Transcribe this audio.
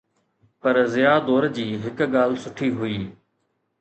پر ضياءَ دور جي هڪ ڳالهه سٺي هئي.